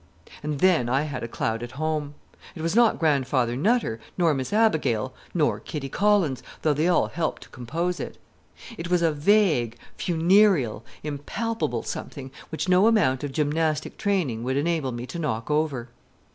And then I had a cloud at home. It was not Grandfather Nutter, nor Miss Abigail, nor Kitty Collins, though they all helped to compose it. It was a vague, funereal, impalpable something which no amount of gymnastic training would enable me to knock over.